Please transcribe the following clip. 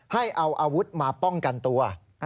ให้เอาอาวุธมาป้องกันตัว